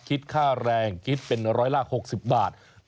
คิดค่าแรงคิดเป็นร้อยละ๖๐บาท